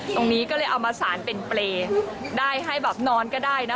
ตรงนี้ก็เลยเอามาสารเป็นเปรย์ได้ให้แบบนอนก็ได้นะ